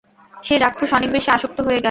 সেই রাক্ষস অনেক বেশী আসক্ত হয়ে গেল।